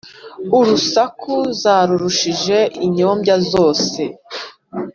Urusaku zarurushije inyombya, zose